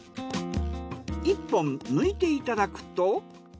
１本抜いていただくと。